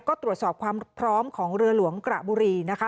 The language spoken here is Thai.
ก็ตรวจสอบความพร้อมของเรือหลวงกระบุรีนะคะ